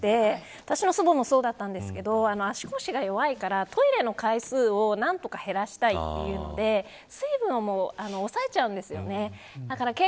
私の祖母もそうでしたが足腰が弱いからトイレの回数を何とか減らしたいというので水分を抑えちゃうんです。